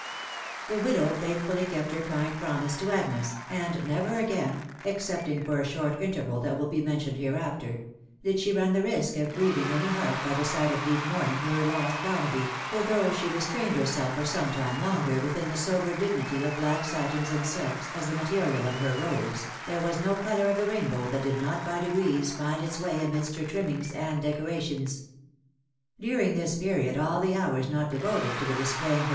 The widow faithfully kept her kind promise to Agnes, and never again (excepting for a short interval that will be men tioned hereafter) did she run the risk of grieving any heart by the sight of deep mourning for her lost Barnaby, for though she restrained herself for some time longer within the sober dignity of black satins and silks as the material of her robes, there was no colour of the rainbow that did not by degrees £nd its way amidst her trimmings and faeatt&OHfc. ~\yas«*% this period all the hours not devoted Xo Xk* &■$»}»%^*« lOt) THE WIDOW BARNABT.